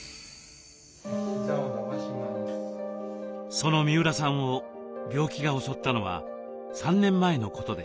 その三浦さんを病気が襲ったのは３年前のことでした。